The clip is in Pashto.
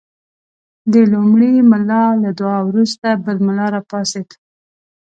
د لومړي ملا له دعا وروسته بل ملا راپاڅېد.